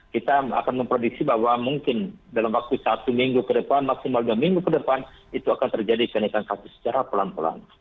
kita akan memprediksi bahwa mungkin dalam waktu satu minggu ke depan maksimal dua minggu ke depan itu akan terjadi kenaikan kasus secara pelan pelan